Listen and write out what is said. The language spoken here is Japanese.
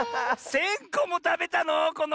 １，０００こもたべたの？